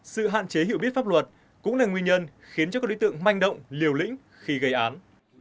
sự hạn chế hiểu biết pháp luật cũng là nguyên nhân khiến cho các đối tượng manh động liều lĩnh khi gây án